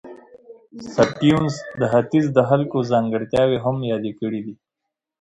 سټيونز د ختیځ د خلکو ځانګړتیاوې هم یادې کړې.